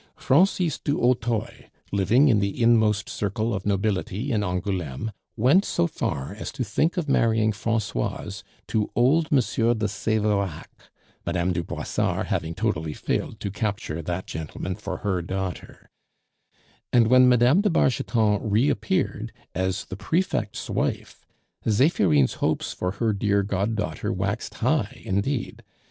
Francis du Hautoy, living in the inmost circle of nobility in Angouleme, went so far as to think of marrying Francoise to old M. de Severac, Mme. du Brossard having totally failed to capture that gentleman for her daughter; and when Mme. de Bargeton reappeared as the prefect's wife, Zephirine's hopes for her dear goddaughter waxed high, indeed.